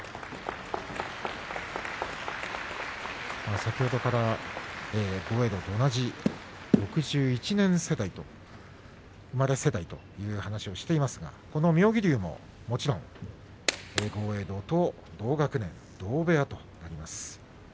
先ほどから豪栄道と同じ６１年生まれ世代という話をしていますが、この妙義龍ももちろん豪栄道と同学年同部屋ということになります。